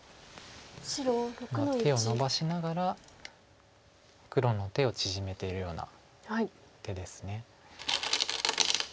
まあ手をのばしながら黒の手を縮めてるような手です。